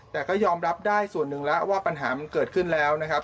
แต่ก็ยอมรับได้ส่วนหนึ่งแล้วว่าปัญหามันเกิดขึ้นแล้วนะครับ